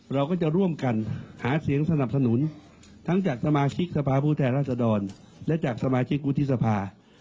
เราก็จะร่วมกันหาเสียงสนับสนุนทั้งจากสมาชิกสภาพผู้แทนราษฎรและจากสมาชิกวุฒิสภา